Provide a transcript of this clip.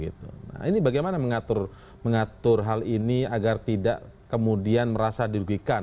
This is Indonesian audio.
nah ini bagaimana mengatur hal ini agar tidak kemudian merasa dirugikan